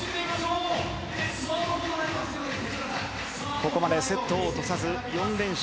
ここまでセットを落とさず４連勝。